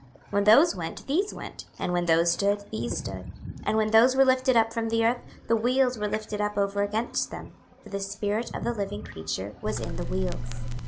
26:001:021 When those went, these went; and when those stood, these stood; and when those were lifted up from the earth, the wheels were lifted up over against them: for the spirit of the living creature was in the wheels.